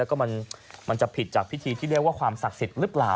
แล้วก็มันจะผิดจากพิธีที่เรียกว่าความศักดิ์สิทธิ์หรือเปล่า